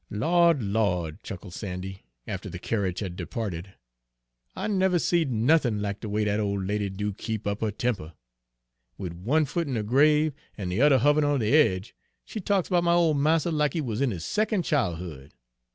"Lawd, Lawd!" chuckled Sandy, after the carriage had departed, "I never seed nothin' lack de way dat ole lady do keep up her temper! Wid one foot in de grave, an' de other hov'rin' on de edge, she talks 'bout my ole marster lack he wuz in his secon' chil'hood.